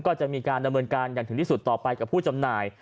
ก็จะมีการดำเนินการอย่างถึงที่สุดต่อไปกับผู้จำหน่าย